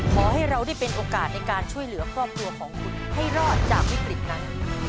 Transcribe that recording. ขอให้เราได้เป็นโอกาสในการช่วยเหลือครอบครัวของคุณให้รอดจากวิกฤตนั้น